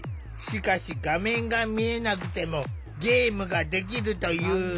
しかし画面が見えなくてもゲームができるという。